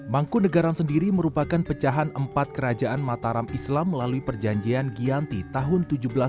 mangkunagaran sendiri merupakan pecahan empat kerajaan mataram islam melalui perjanjian giyanti tahun seribu tujuh ratus enam puluh